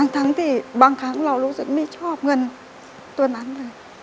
ทั้งที่บางครั้งเรารู้สึกไม่ชอบเงินตัวนั้นเลย